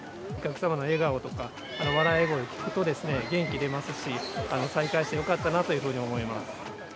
お客様の笑顔とか、笑い声を聞くと元気出ますし、再開してよかったなというふうに思います。